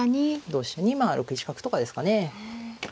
同飛車にまあ６一角とかですかね。